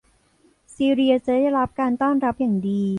ซีเลียจะได้รับการต้อนรับอย่างดี